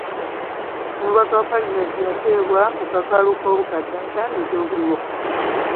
Omubaka wa paalamenti yateebwa ku kakalu k'obukadde ataano ez'obutaliiwo.